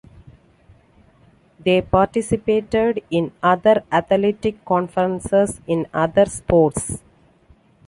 They participated in other athletic conferences in other sports.